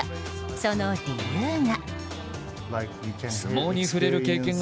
その理由が。